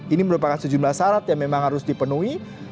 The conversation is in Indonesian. ini merupakan sejumlah syarat yang memang harus dipenuhi